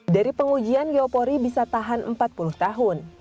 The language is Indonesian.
dari pengujian geopori bisa tahan empat puluh tahun